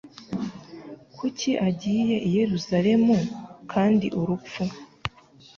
Kuki agiye i Yerusalemu kandi urupfu